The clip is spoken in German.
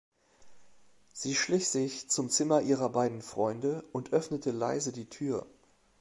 Sie schlich sich zum Zimmer ihrer beiden Freunde und öffnete leise die Tür.